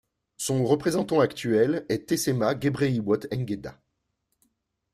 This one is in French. Son représentant actuel est Tessema Gebrehiwot Engeda.